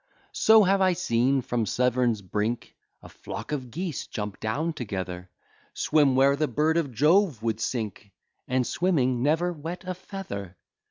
So have I seen from Severn's brink A flock of geese jump down together; Swim where the bird of Jove would sink, And, swimming, never wet a feather.